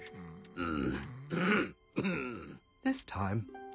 うん！